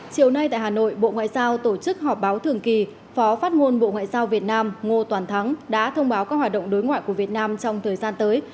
chiều nay tại hà nội bộ ngoại giao tổ chức họp báo thường kỳ phó phát ngôn bộ ngoại giao việt nam ngô toàn thắng đã thông báo các hoạt động đối ngoại của việt nam trong thời gian tới